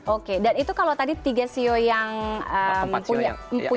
oke dan itu kalau tadi tiga sio yang punya hoki ya